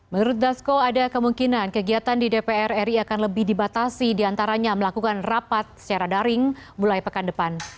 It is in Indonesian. menurut dasko ada kemungkinan kegiatan di dpr ri akan lebih dibatasi diantaranya melakukan rapat secara daring mulai pekan depan